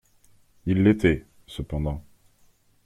Ils l'étaient, cependant.